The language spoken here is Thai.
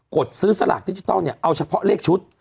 ดซื้อสลากดิจิทัลเนี่ยเอาเฉพาะเลขชุด